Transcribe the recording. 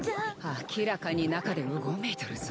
明らかに中でうごめいとるぞ。